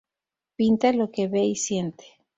Pinta lo que ve y siente.